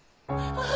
ああ！